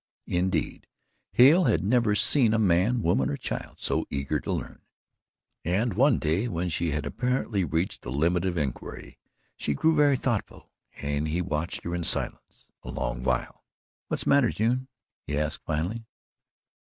Indeed, Hale had never seen a man, woman or child so eager to learn, and one day, when she had apparently reached the limit of inquiry, she grew very thoughtful and he watched her in silence a long while. "What's the matter, June?" he asked finally.